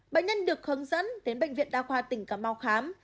bệnh nhân được hướng dẫn đến bệnh viện đa khoa tỉnh cà mau khám